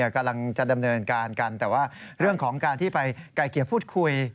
กำลังจะดำเนินการกันแต่ว่าเรื่องของการที่ไปไกลเกลี่ยพูดคุย